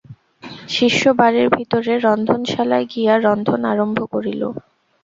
শিষ্য বাড়ীর ভিতরে রন্ধনশালায় গিয়া রন্ধন আরম্ভ করিল।